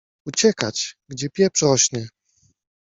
Uciekać, gdzie pieprz rośnie!